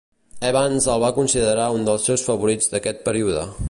Evans el va considerar un dels seus favorits d'aquest període.